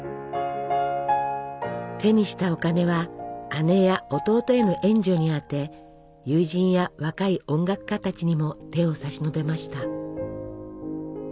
手にしたお金は姉や弟への援助に充て友人や若い音楽家たちにも手を差し伸べました。